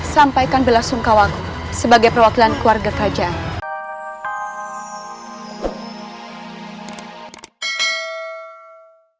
sampaikan belasungkawaku sebagai perwakilan keluarga kajian